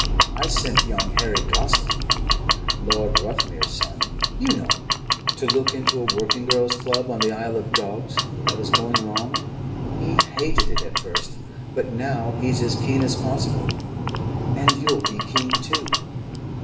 I sent young Harry Gostling Lord Ruthmere's son, you know to look into a working girls' club in the Isle of Dogs that was going wrong. He hated it at first, but now he's as keen as possible. And you'll be keen too."